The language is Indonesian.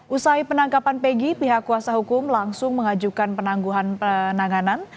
usai penangkapan pegi pihak kuasa hukum langsung mengajukan penangguhan penanganan